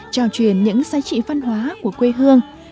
trao truyền những giá trị văn hóa của quê hương